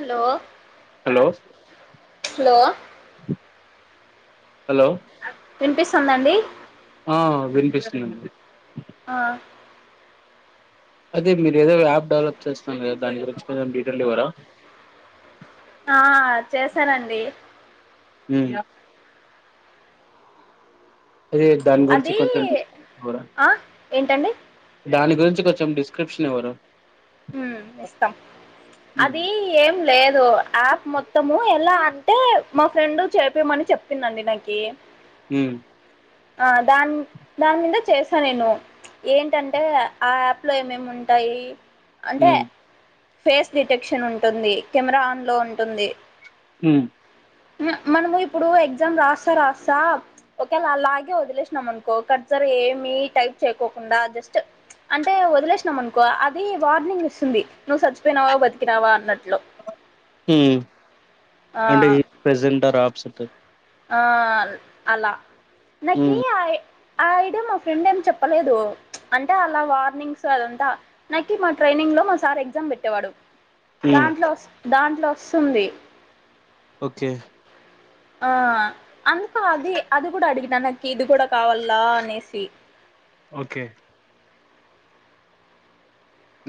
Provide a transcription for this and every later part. Hello hello hello hello వినిపిస్తుందా అండి ఆ వినిపిస్తుందండి ఆ అదే మీరు ఏదో యాప్ డెవలప్ చేస్తున్నాను కదా దాని గురించి కొంచెం డీటెయిల్ ఇవ్వరా ఆ చేశానండి హ్మ్ అదే దాని అది గురించి కొంచెం తెలుసుకోరా ఆ ఏంటండి దాని గురించి కొంచెం డిస్క్రిప్షన్ ఇవ్వరా హ్మ్ ఇస్తాం ఉమ్ అది ఏం లేదు యాప్ మొత్తము ఎలా అంటే మా ఫ్రెండ్ చేపిమని చెప్పిందండి నాకి హ్మ్ ఆ దాని దాని మీద చేసా నేను ఏంటంటే ఆ యాప్ లో ఏమేమి ఉంటాయి అంటే ఉమ్ ఫేస్ డిటెక్షన్ ఉంటుంది కెమెరా ఆన్లో ఉంటుంది హ్మ్ మనము ఇప్పుడు ఎగ్జామ్ రాస్తా రాస్తా ఒకేలా అలాగ వదిలేసినాం అనుకో కర్సర్ ఏమి టైప్ చేయకోకుండా జస్ట్ అంటే వదిలేసినాం అనుకో అది వార్నింగ్ ఇస్తుంది నువ్వు చచ్చిపోయినావా బతికి నావా అన్నట్లు హ్మ్ ఆ అంటే ఈ ప్రెజెంట్ ఆర్ ఆప్సంట్ ఆ అలా నా కీ ఉమ్ ఆ ఆ ఐడి మా ఫ్రెండ్ ఏం చెప్పలేదు అంటే అలా వార్నింగ్స్ అదంతా నాకి మా ట్రైనింగ్ లో మా సార్ ఎగ్జామ్ పెట్టేవాడు ఉమ్ దాంట్లో దాంట్లో వస్తుంది ఓకే ఆ అందుకు అది అది కూడా అడిగినకి ఇది కూడా కావాలా అనేసి ఓకే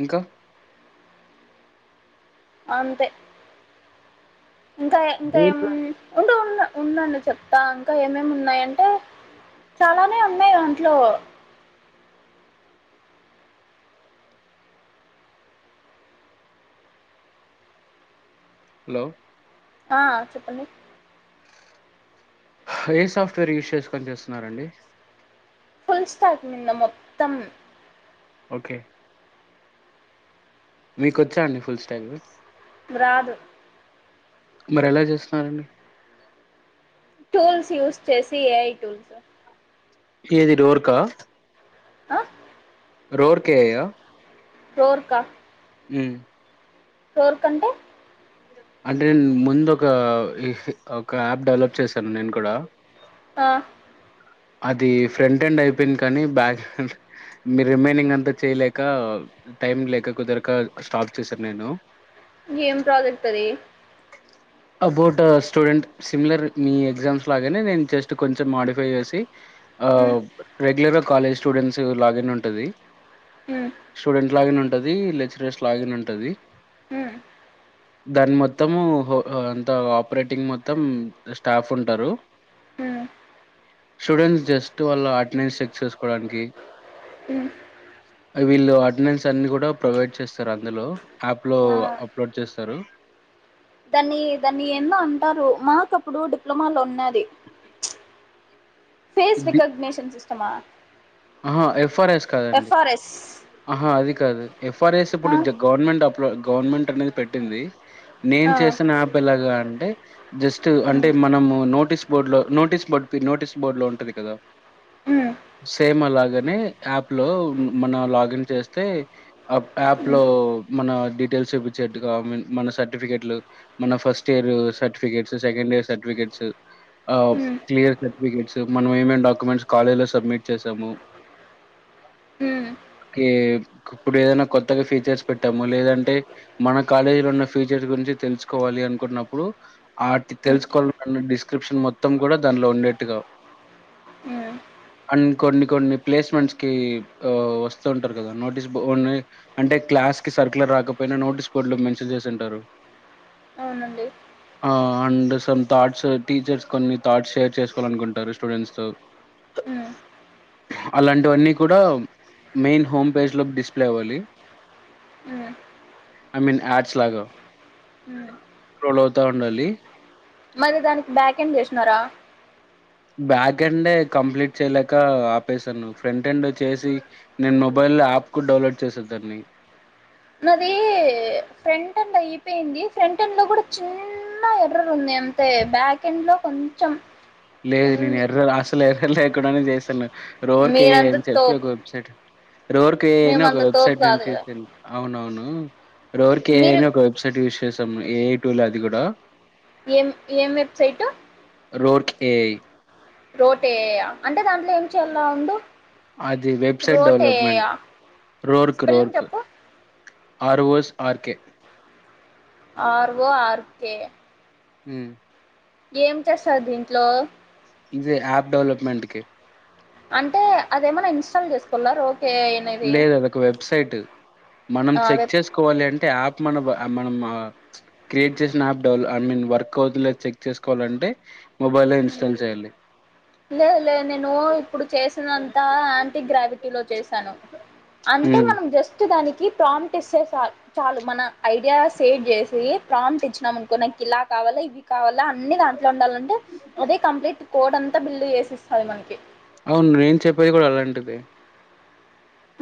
ఇంకా అంతే ఇంకా ఇంకా ఏం ఉండే ఉన్నా ఉండండి చెప్తా ఇంకా ఏమేమి ఉన్నాయంటే చాలానే ఉన్నాయి ఒంట్లో హలో ఆ చెప్పండి ఏ సాఫ్ట్వేర్ యూస్ చేసుకొని చేస్తున్నారండి ఫుల్ స్టాక్ మీద మొత్తం ఓకే మీకు వచ్చా అండి ఫుల్ స్టాగు రాదు మరి ఎలా చేస్తున్నారండి టూల్స్ యూస్ చేసి ఏఐ టూల్స్ ఏది డోర్కా ఆ రోర్కేయ చోర్కా హ్మ్ ఫోర్ కంటే అంటే ముందు ఒక ఒక యాప్ డెవలప్ చేశాను నేను కూడా ఆ అది ఫ్రంట్ హండ్ అయిపోయింది కని బ్యాక్ హండ్ మీ రిమైనింగ్ అంతా చేయలేక టైమ్ లేక కుదరక స్టార్ట్ చేశాను నేను ఏం ప్రాజెక్ట్ అది అబౌట్ స్టూడెంట్ సిమిలర్ మీ ఎగ్జామ్స్ లాగానే నేను జస్ట్ కొంచెం మాడిఫై చేసి ఆ ఉమ్, రెగ్యులర్గ కాలేజ్ స్టూడెంట్స్ లాగిన్ ఉంటది ఉ స్టూడెంట్ లాగిన్ ఉంటది లెక్చరర్స్ లాగిన్ ఉంటది ఉమ్, దని మొత్తము అంత ఆపరేటింగ్ మొత్తం స్టాఫ్ ఉంటరు ఉమ్, స్టూడెంట్స్ జస్ట్ వాళ్ళ అటెండెన్స్ చెక్ చేసుకోడానికి ఉమ్. వీళ్ళు అటెండెన్స్ అన్ని కూడా ప్రొవైడ్ చేస్తరు అందులో యాప్లో ఆ, అప్లోడ్ చేస్తరు దాన్ని దాన్ని ఎందో అంటరు మాకు అప్పుడు డిప్లొమాలో ఉన్నది ఫేస్ రికగ్నేషన్ సిస్టమా ఆహా ఎఫ్ఆర్ఎస్ కాదండి ఎఫ్ఆర్ఎస్ అహా అది కాదు ఎఫ్ఆర్ఎస్ ఆ, ఇప్పుడు గవర్నమెంట్ అప్ గవర్నమెంట్ అనేది పెట్టింది నేను ఆ, చేసిన యాప్ ఎలాగా అంటే జస్ట్ అంటే ఉమ్. మనము నోటీస్ బోర్డులో నోటీస్ బోర్డు పిన్ నోటీస్ బోర్డులో ఉంటది కదా హ్మ్. సేమ్ అలాగనే యాప్లో మన లాగిన్ చేస్తే అప్ యాప్లో హ్మ్. మన డీటెయిల్స్ చూపించేట్టుగా మి మన సర్టిఫికెట్లు మన first year certificates second year certificates ఆహ్ హ్మ్. క్లియర్ సర్టిఫికేట్స్ మనం ఏమేం డాక్యుమెంట్స్ కాలేజ్ లో సబ్మిట్ చేసము హు కే ఇప్పుడు ఏదైనా కొత్తగా ఫీచర్స్ పెట్టాము లేదంటే మన కాలేజీలో ఉన్న ఫీచర్స్ గురించి తెలుసుకోవాలి అనుకున్నప్పుడు ఆట్ హ్మ్. తెలుసుకోవాలన్న డిస్క్రిప్షన్ మొత్తం కూడా దానిలో ఉండేట్టుగా హ్మ్. అన్ని కొన్ని కొన్ని ప్లేస్మెంట్స్కి వస్తూ ఉంటరు కదా నోటీస్ బోని అంటే క్లాస్కి సర్కలర్ రాకపోయినా నోటీస్ బోర్డులో మెన్షన్ చేసి ఉంటరు అవునండి ఆ అండ్ సమ్ థాట్స్ టీచర్స్ కొన్ని థాట్స్ షేర్ చేసుకోవాలి అనుకుంటరు స్టూడెంట్స్తో హ్మ్. అలాంటివన్నీ కూడా మెయిన్ హోమ్ పేజ్లోకి డిస్ప్లే అవ్వాలి ఉ I mean ads hmm. Scroll అవుతా ఉండాలి మరి దానికి బ్యాక్ ఎండ్ చేసినరా బ్యాక్ ఎండే కంప్లీట్ చేయలేక ఆపేశాను ఫ్రంట్ ఎండ్ చేసి నేను మొబైల్లో యాప్కుడా డౌన్లోడ్ చేశాద్దాన్ని నాది ఫ్రంట్ ఎండ్ అయిపోయింది ఫ్రంట్ ఎండ్లో కూడా చిన్న ఎర్రర్ ఉంది అయితే బ్యాకెండ్లో కొంచం లేదు నేను ఎర్రర్ అసలే ఎర్రర్ లేకుండానే చేశాను రోర్కే మీరంత అని చెప్పి ఒక తోపు. వెబ్సైట్ రోర్కే అని ఒక మేమంత తోపు వెబ్సైట్ నేను కాదు గదా! చెసాను అవునవును రోర్కె ఏఐ మీరు అని ఒక వెబ్సైట్ యూజ్ చేసాము ఏఐ టూల్ అది కూడా ఏం ఏం వెబ్సైట్ రోర్ కెఐ రోటేయా అంటే దాంట్లో ఏం చేయాల ఉండు అది వెబ్సైట్ డెవలప్మెంట్ రోటేయా రోర్క్ స్పెల్లింగ్ రోర్క్ చెప్పు. ఆర్వోస్ ఆర్కే ఆర్ ఒ ఆర్కే ఉమ్ ఏం చేస్తరు దీంట్లో ఇది ఆప్ డెవలప్మెంట్కి అంటే అదేమన్నా ఇన్స్టాల్ చేస్ కొన్నారు ఓకే లేదు అది ఒక వెబ్సైట్ మనం ఆ చెక్ వెబ్ చేసు కోవాలి అంటే యాప్ మన మనం ఆ క్రియేట్ చేసిన యాప్ డెవ ఐ మీన్ వర్క్ అవుతదో లేదో చెక్ చేసుకోవాలంటే మొబైల్లో ఇన్స్టాలు చేయాలి లేదు లేదు నేను ఇప్పుడు చేసినంత యాంటీ గ్రావిట్ టీలో చేశాను అంటే ఉమ్. మనం జస్ట్ దానికి ప్రాంప్ట్ ఇస్తే చాలు చాలు మన ఐడియా సేట్ చేసి ప్రాంప్ట్ ఇచ్చినాం అనుకో నాకు ఇలా కావాల ఇవి కావాల అన్ని దాంట్లో ఉండాలంటే అదే కంప్లీట్ కోడ్ అంతా బిల్డ్ చేసిస్తది మనకి అవును నేను చెప్పేది కూడా అలాంటిదే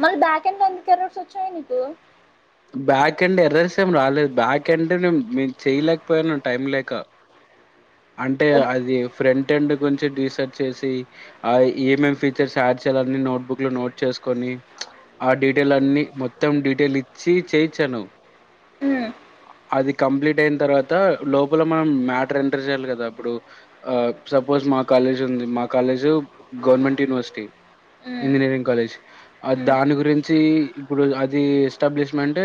మళ్ బ్యాక అండ్ లో ఎందుకు ఎర్రర్స్ వచ్చాయి నీకు బ్యాక్ అండ్ ఎర్రరిసేం రాలేదు బ్యాక్ అండ్ నేము చేయలేకపోయాను టైం లేక అంటే ఉమ్, అది ఫ్రంట్ ఎండ్ గురించి రీసర్చ్ చేసి అది ఏమ్ ఎం ఫీచర్స్ యాడ్ చేయాలని నోట్బుక్ లో నోట్ చేసుకొని ఆ డీటెయిల్ అన్ని మొత్తం డీటెయిల్ ఇచ్చి చేయిచ్చాను ఉమ్, అది కంప్లీట్ అయిన తర్వాత లోపల మనం మ్యాటర్ ఎంటర్ చేయాలి కదా అప్పుడు ఆ సపోజ్ మా కాలేజ్ ఉంది మా college government university um, engineering college ఆ ఉమ్, దాని గురించి ఇప్పుడు అది establishment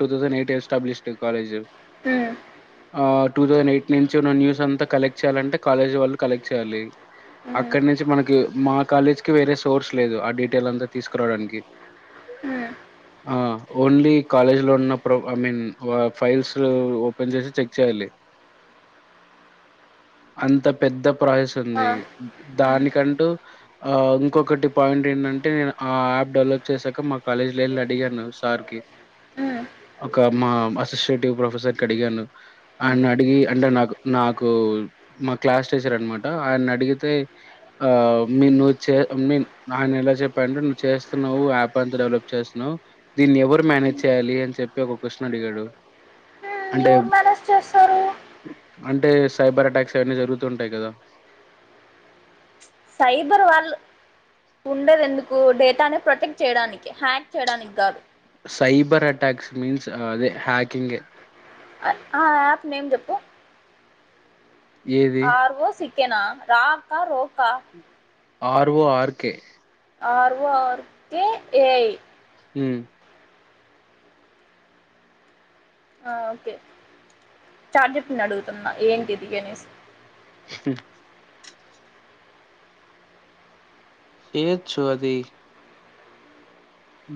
two thousand eight established college um, ఆ టూ థౌసండ్ ఎయిట్ నుంచి ఉన్న న్యూస్ అంతా కలెక్ట్ చేయాలంటే కాలేజ్ వాళ్ళు కలెక్ట్ చేయాలి ఉమ్, అక్కడ నుంచి మనకి మా కాలేజ్కి వేరే సోర్స్ లేదు ఆ డీటెయిల్ అంతా తీసుకురావడానికి హ ఆ ఓన్లీ కాలేజ్ లో ఉన్న pro I mean files open చేసి చెక్ చేయాలి అంత పెద్ద ప్రాసెస్ ఆ, ఉంది ఉమ్, దానికంటూ ఆ ఇంకొకటి పాయింట్ ఏంటంటే నేను ఆ యాప్ డెవలప్ చేసాక మా కాలేజ్ లో ఎల్లి అడిగా సార్ కి ఉమ్, ఒక మా అసస్యేటివ్ ప్రొఫెసర్ కి అడిగాను ఉమ్. అయాన అడిగి అంటే నాకు నాకు మా క్లాస్ టీచర్ అనమాట ఆయన అడిగితే ఆ మీ నువ్వు మీ ఆయన ఎలా చెప్పాంటే నువ్వు చేస్తున్నావు యాప్ అంతా డెవలప్ చేస్తున్నావ్ దీన్ని ఎవరు మేనేజ్ చేయాలి అని చెప్పి ఒక క్వశ్న్ అడిగాడు అంటే మనస్ చుస్తారు అంటే సైబర్ అటాక్స్ అవన్నీ జరుగుతుంటాయి కదా సైబర్ వాళ్ళు ఉండేది ఎందుకు డేటాని ప్రొటెక్ట్ చేయడానికి హ్యాక్ చేయడానికి కాదు సైబర్ అటాక్స్ మీన్స్ అదే హ్యాకింగ్ గే ఆ యాప్ నేమ్ చెప్పు ఏది? ఆరువో సక్కేనా రాకా రోకా ఆరు ఓ ఆర్కే ఆరు ఓ ఆర్ కే ఏఐ మ్ ఆ okay chat G. P. T అడుగుతున్నా ఏంటి దిగనేసి మ్ ఏచువది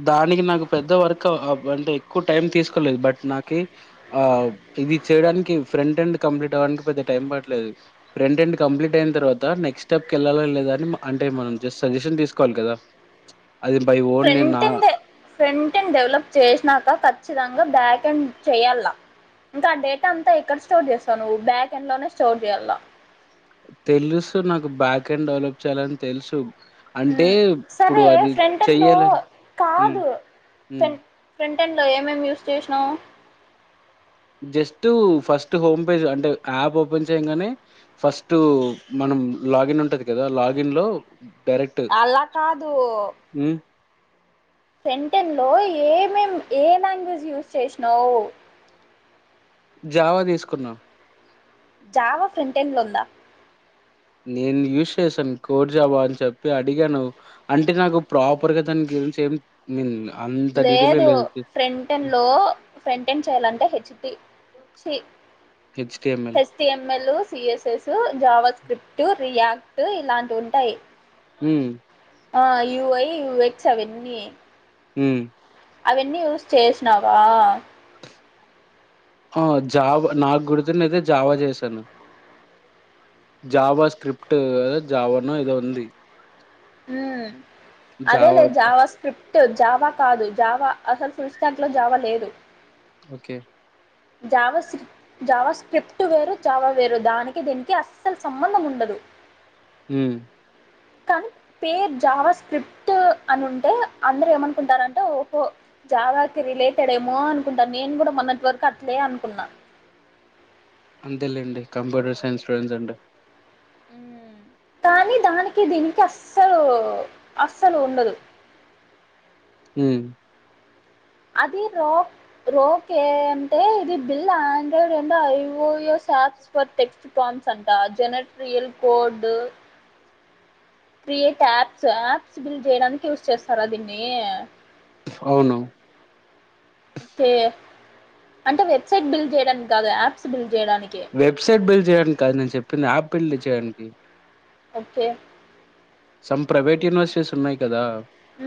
దానికి నాకు పెద్ద వర్క్ ఆ అంటే ఎక్కువ టైం తీసుకోలేదు బట్ నాకి ఆ ఇది చేయడానికి ఫ్రంట్ అండ్ కంప్లీట్ అవ్వడానికి పెద్ద టైం పట్లేదు ఫ్రంట్ ఎండ్ కంప్లీట్ అయిన తర్వాత నెక్స్ట్ స్టెప్కి వెళ్ళాలా లే అని అంటే మనం సజెషన్స్ తీసుకోవాలి కదా. అది బై ఓ ఫ్రంట్ ఎండ్ ఏ ఫ్రంట్ ఎండ్ డెవలప్ చేసినాక ఖచ్చితంగా బ్యాక్ ఎండ్ చేయాలా. ఇంకా ఆ డేటా అంతా ఎక్కడ స్టోర్ చేసారు బ్యాక్ ఎండ్ లోనే స్టోర్ చేయాలా తెలుసు నాకు బ్యాక్ ఎండ్ డెవలప్ చేయాలని తెలుసు అంటే ఇప్పుడు సరే అది ఫ్రంటప్పో చెయ్యాలని హ్మ్ కాదు హ్మ్ ఫ్రెం ఫ్రంట్ ఎండ్లో ఏమేం యూస్ చేసినావ్ జస్ట్ ఫస్ట్ హోమ్ పేజ్ అంటే యాప్ ఓపెన్ చేయంగానే ఫస్ట్ మనం లాగిన్ ఉంటది కదా లాగిన్ లో డైరెక్ట్ అలా కాదు మ్ ఫ్రంట్ ఎండ్ లో ఏ మేం ఏ లాంగ్వేజ్ యూజ్ చేసినావు? జావా తీసుకున్నా జావ ఫ్రంట్ ఎండ్ లో ఉందా నేను యూస్ చేశాను కోర్ జావా అని చెప్పి అడిగాను అంటే నాకు ప్రాపర్గా దాని గురించి ఏం ఐ మీన్ అంత డీటెయిల్ గా లేదు ఫ్రంట్ ఎండ్లో ఫ్రెంట్ ఎండ్ చేయాలంటే హెచ్టి చీ H T M L ఎస్టిఎంఎల్ CSS JavaScript React ఇలాంటి ఉంటాయి మ్ ఆ యుఐ యుూఎక్స్ అవి అన్ని మ్ అవన్నీ యూస్ చేసినావా ఆ జావా నాకు గుర్తుని అయితే జావా చేశాను జావా స్క్రిప్ట జావానో ఏదో ఉంది మ్ అదేలే జావా స్ స్క్రిప్ట్ జావా కాదు జావా అసలు ఫుల్ స్టాక్ లో జావా లేదు ఓకే జావా స్ జావా స్క్రిప్ట్ వేరు, జావా వేరు దానికి దీనికి అస్సలు సంబంధం ఉండదు. మ్ కానీ పేర్ జావా స్క్రిప్ట్ అని ఉంటే అందరు ఏమనుకుంటారంటే, ఓహో! జావాకి రిలేటెడ్ ఏమో అనుకుంటాన నేను కూడా మొన్నటి వరకు అట్లే అనుకున్నా అంతేలేండి, కంప్యూటర్ సైన్స్ స్టూడెట్స్ అంటే. కానీ దానికి దీనికి అస్సలు అస్సలు ఉండదు ఊ అది రో రోకే అంటే ఇది బిల్ ఆండ్రాయిడ్ అం ఐఓయోప్స్ ఫర్ టెక్స్ ఫార్మ్స్ అంట జెనట్రిల్ code create apps apps build చేయడానికి యూస్ చేస్తారది మీ అవును ఓకే అంటే వెబ్సైట్ బిల్డ్ చేయడానికి కాదు యాప్స్ బిల్డ్ చేయడానికి వెబ్సైట్ బిల్డ్ చేయడానికి కాదు నేను చెప్పింది యాప్ బిల్డ్ చేయడానికి ఓకే సమ్ ప్రైవేట్ యూనివర్సిటీస్ ఉన్నాయి కదా ఊ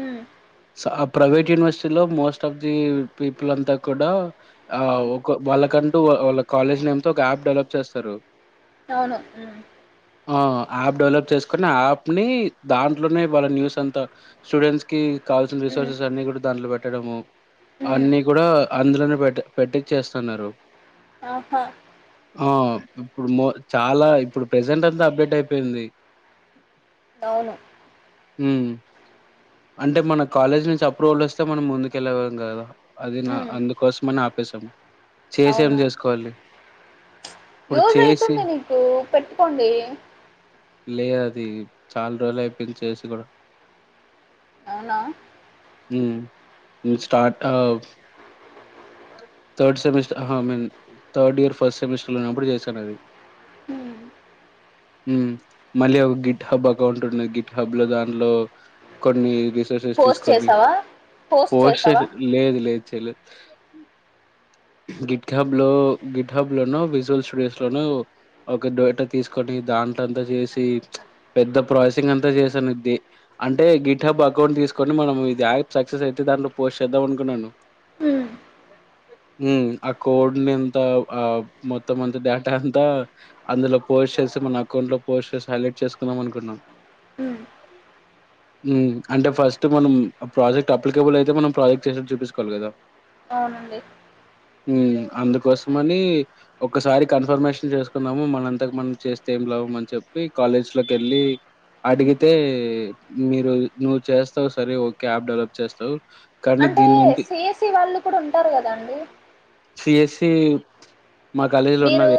ఆ ప్రైవేట్ యూనివర్సిటీ లో మోస్ట్ ఆఫ్ ది పీపుల్ అంతా కూడా ఆ మ్మ్. ఒక వాళ్ళకంటూ వాళ్ళ కాలేజ్ నేమ్తో ఒక యాప్ డెవలప్ చేస్తారు అవును ఉ ఆ యాప్ డెవలప్ చేసుకుని ఆ యాప్ ని దాంట్లోనే వాళ్ళ న్యూస్ అంతా స్టూడెంట్స్ కావాల్సిన మ్మ్. రిసోర్సెస్ అన్ని కూడా దాంట్లో పెట్ పెట్టడము మ్మ్. అన్ని కూడా అందులోనే పెట్ పెట్టి చేస్తున్నారు ఆహా ఆ ఇప్పుడు మో చాలా ఇప్పుడు ప్రజెంట్ అంతా అప్డేట్ అయిపోయింది అవును ఊ అంటే మన కాలేజ్ నుంచి అప్రూవల్ వస్తే మనం ముందుకెళ్ళం కదా అది నా మ్మ్. అందుకోసమని ఆపేశాము చేసేం అవును చేసుకోవాలి ఇప్పుడు యూజ్ చేసి అవుతుంది నీకు పెట్టుకోండి లేదు అది చాలా రోజులు అయిపోయింది చేసి కూడా అవునా ఉ నువ్ స్టార్టప్ థర్డ్ సెమిస్టర్న్ ఆహా మేం థర్డ్ ఇయర్ ఫస్ట్ సెమిస్టర్ లో ఉన్నప్పుడు చేశాను అది మ్మ్. ఉ మళ్ళీ ఒక గిట్ హబ్ అకౌంట్ ఉండది గిట్ హబ్ లో దాంట్లో కొన్ని రిసోర్సెస్ పోస్ట్ తీసుకొని చేసావా పోస్ట్ పోస్ చెయ్ చేసావా లేదు లేదు చేయలేదు గిట్ హాబ్ లో గిట్ హాబ్ లోను విజువల్ స్టూడియోస్ లోను ఒక డోటా తీసుకొని దాంట్ అంతా చేసి ప్చ్ పెద్ద ప్రాసెసింగ్ అంతా చేసాను ఇది అంటే గిట్హాబ్ అకౌంట్ తీసుకొని మనం ఇది యాప్ సక్సెస్ అయితే దాంట్లో పోస్ట్ చేద్దాం అనుకున్నాను హ్మ్. ఉ ఆ కోడ్ ని ఎంత ఆ మొత్తం అంత డేటా అంతా అందులో పోస్ట్ చేసి మన అకౌంట్ లో పోస్ట్ చేసి హైలైట్ చేసుకుందాం అనుకున్నాం ఊ ఉ అంటే ఫస్ట్ మనం ఆ ప్రాజెక్ట్ అప్లికేబుల్ అయితే మనం ప్రాజెక్ట్ చేసేట్టు చూపిచుకోవాలి కదా అవునండి ఊ అందుకోసమని ఒక్కసారి కన్ఫర్మేషన్ చేసుకున్నాము మనంతకు మనం చేస్తే ఏం లభం అని చెప్పి కాలేజ్ లోకి వెళ్ళి హ్మ్. అడిగితే మీరు నువ్వు చేస్తావు సరే ఓ క్యాబ్ డెవలప్ చేస్తావు కానీ అంటే దీని నుండి" సీస్ఈ వాళ్ళు కూడా ఉంటారు కదా అండి సిఎస్సి మా కాలేజీ లో మీరు ఉన్నవె